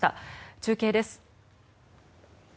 中継です。